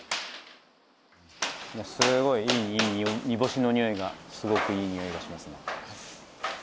すごいいい煮干しの匂いがすごくいい匂いがしますね。